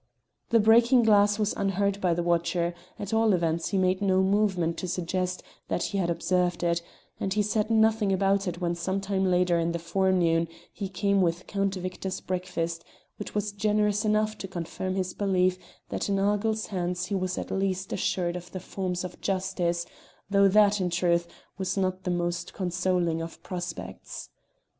The breaking glass was unheard by the watcher; at all events he made no movement to suggest that he had observed it, and he said nothing about it when some time later in the forenoon he came with Count Victor's breakfast, which was generous enough to confirm his belief that in Argyll's hands he was at least assured of the forms of justice, though that, in truth, was not the most consoling of prospects.